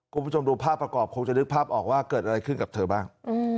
คุณผู้ชมดูภาพประกอบคงจะนึกภาพออกว่าเกิดอะไรขึ้นกับเธอบ้าง